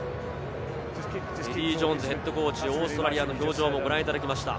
エディー・ジョーンズＨＣ、オーストラリアの表情もご覧いただきました。